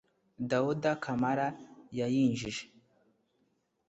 Daouda Camara yayinjije